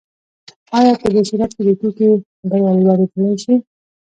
آیا په دې صورت کې د توکي بیه لوړیدای شي؟